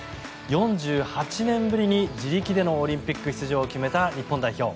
４８年ぶりに自力でのオリンピック出場を決めた日本代表。